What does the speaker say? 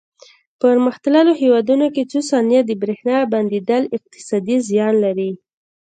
په پرمختللو هېوادونو کې څو ثانیې د برېښنا بندېدل اقتصادي زیان لري.